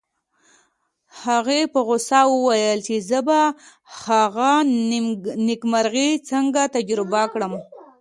هغې په غوسه وویل چې زه به هغه نېکمرغي څنګه تجربه کړم